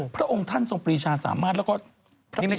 พระองค์ท่านทรงปรีชาสามารถแล้วก็พระปรีชาสามารถทิ้งสูง